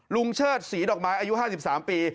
เชิดศรีดอกไม้อายุ๕๓ปี